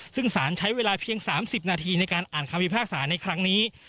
ซึ่งสารใช้เวลาเพียง๓๐นาทีในการอ่านคำพิพากษาในครั้งนี้